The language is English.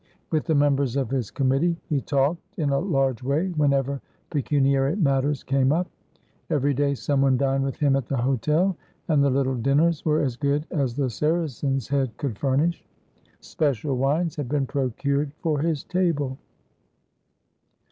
With the members of his committee he talked in a large way whenever pecuniary matters came up. Every day someone dined with him at the hotel, and the little dinners were as good as the Saracen's Head could furnish; special wines had been procured for his table.